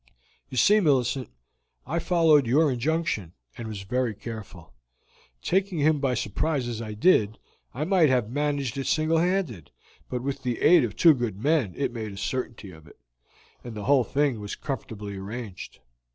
"You see, Millicent, I followed your injunction, and was very careful. Taking him by surprise as I did, I might have managed it single handed, but with the aid of two good men it made a certainty of it, and the whole thing was comfortably arranged."